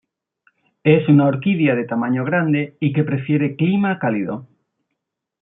Es una orquídea de tamaño grande y que prefiere clima cálido.